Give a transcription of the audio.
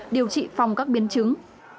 điều trị phòng các biến chứng